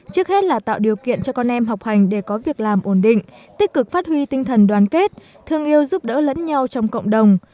trước hết là tạo điều kiện cho con em học hành để có việc làm ổn định tích cực phát huy tinh thần đoàn kết thương yêu giúp đỡ lẫn nhau trong cộng đồng